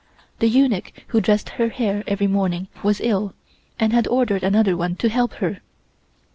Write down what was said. The eunuch who dressed her hair every morning was ill, and had ordered another one to help her.